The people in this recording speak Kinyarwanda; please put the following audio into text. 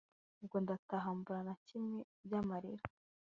ubwo ndataha mbura na kimwe byamarira